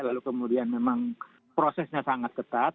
lalu kemudian memang prosesnya sangat ketat